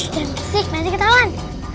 jangan kesih nanti ketahuan